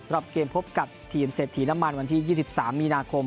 รอบเกมพบกับทีมเศรษฐีน้ำมันวันที่๒๓มีนาคม